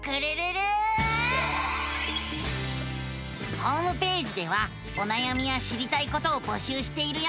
ホームページではおなやみや知りたいことを募集しているよ。